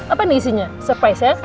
apa nih isinya surprise ya